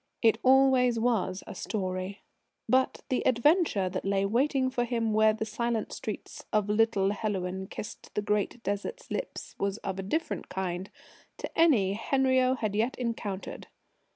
It always was a story. But the adventure that lay waiting for him where the silent streets of little Helouan kiss the great Desert's lips, was of a different kind to any Henriot had yet encountered.